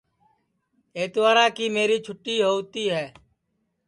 اتوارا کی میری چھوٹی ہؤتی ہے